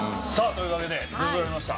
というわけで出そろいました。